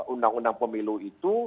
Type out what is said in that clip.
undang undang pemilu itu